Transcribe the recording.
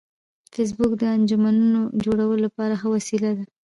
فېسبوک د انجمنونو جوړولو لپاره ښه وسیله ده